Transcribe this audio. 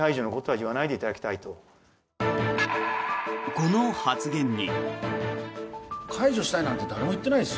この発言に。